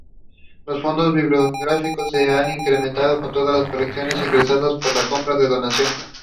Los fondos bibliográficos se han incrementado con otras colecciones ingresadas por compra y donaciones.